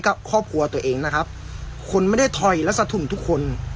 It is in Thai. ครอบครัวตัวเองนะครับคนไม่ได้ถอยและสะทุ่มทุกคน